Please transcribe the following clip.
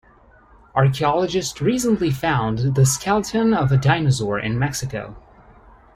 Archaeologists recently found the skeleton of a dinosaur in Mexico.